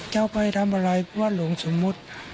เจ้าไปทำอะไรเพราะว่าหลวงสมมุติ